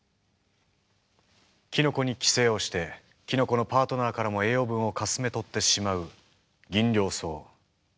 キノコに寄生をしてキノコのパートナーからも栄養分をかすめ取ってしまうギンリョウソウ。